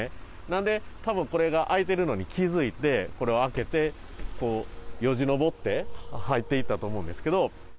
なんで、たぶんこれが開いてるのに気付いて、これを開けて、こう、よじ登って入っていったと思うんですけど。